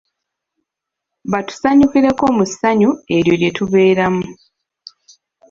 Batusanyukireko mu ssanyu eryo lye tubeeramu.